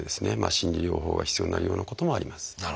心理療法が必要になるようなこともあります。